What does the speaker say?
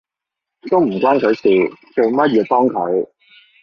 都唔關佢事，做乜要幫佢？